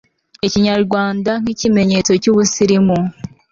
ikinyarwanda nk'ikimenyetso cy'ubusirimu